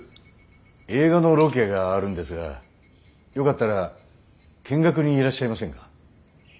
映画のロケがあるんですがよかったら見学にいらっしゃいませんか？